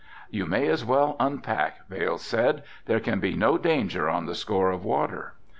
"You may as well unpack," Vail said, "there can be no danger on the score of water."